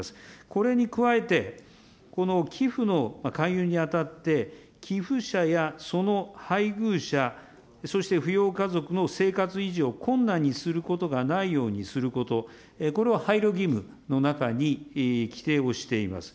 これに加えて、この寄付の勧誘にあたって、寄付者やその配偶者、そして扶養家族の生活維持を困難にすることがないようにすること、これを配慮義務の中に規定をしています。